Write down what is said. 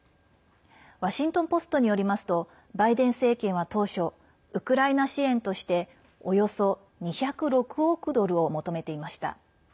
ワシントン・ポストによりますとバイデン政権は当初ウクライナ支援としておよそ２０６億ドルを求めていました。